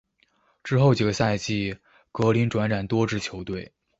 之后几个赛季格林转辗多支球队。